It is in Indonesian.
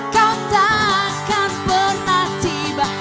kau tak akan pernah tiba